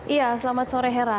iya selamat sore hera